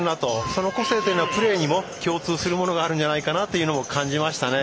その個性というのはプレーにも共通するものがあるんじゃないかと感じましたね。